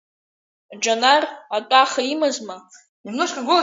Џьанар атәаха имазма.